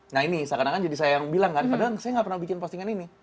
nah ini seakan akan jadi saya yang bilang kan padahal saya nggak pernah bikin postingan ini